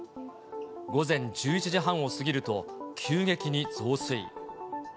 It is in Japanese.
午前１１時半を過ぎると急激に増水。